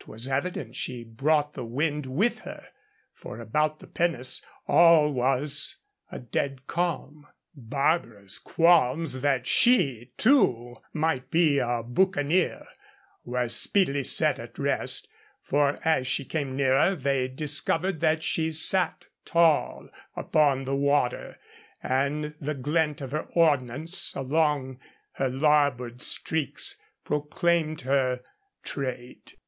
'Twas evident she brought the wind with her, for about the pinnace all was a dead calm. Barbara's qualms that she, too, might be a boucanier were speedily set at rest; for as she came nearer they discovered that she sat tall upon the water, and the glint of her ordnance along her larboard streaks proclaimed her trade.